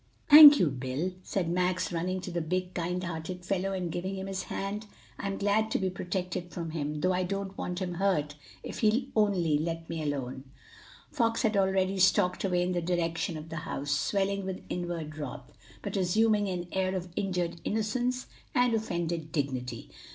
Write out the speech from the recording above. "Thank you, Bill," said Max, running to the big, kind hearted fellow and giving him his hand. "I'm glad to be protected from him, though I don't want him hurt if he'll only let me alone." Fox had already stalked away in the direction of the house, swelling with inward wrath, but assuming an air of injured innocence and offended dignity.